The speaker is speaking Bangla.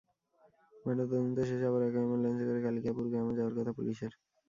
ময়নাতদন্ত শেষে আবার একই অ্যাম্বুলেন্সে করে কালিকাপুর গ্রামে যাওয়ার কথা পুলিশের।